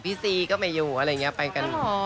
ซีก็ไม่อยู่อะไรอย่างนี้ไปกัน